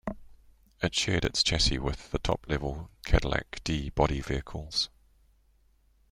It shared its chassis with the top-level Cadillac D body vehicles.